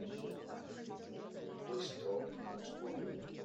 Least talk most work.